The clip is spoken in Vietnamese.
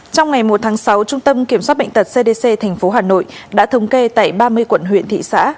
trong ngày một tháng sáu trung tâm kiểm soát bệnh tật cdc tp hà nội đã thống kê tại ba mươi quận huyện thị xã